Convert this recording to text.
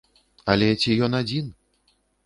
Але ці ён адзін?